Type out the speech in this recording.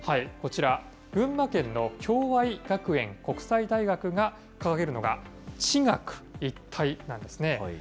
こちら、群馬県の共愛学園国際大学が掲げるのが地学一体なんですね。